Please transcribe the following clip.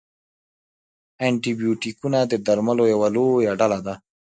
انټي بیوټیکونه د درملو یوه لویه ډله ده.